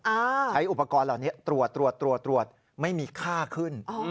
ใช้อุปกรณ์เหล่านี้ตรวจไม่มีค่าขึ้น